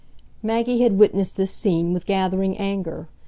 Maggie had witnessed this scene with gathering anger.